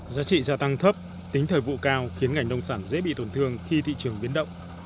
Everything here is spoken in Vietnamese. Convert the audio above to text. giá trị gia tăng thấp tính thời vụ cao khiến ngành nông sản dễ bị tổn thương khi thị trường biến động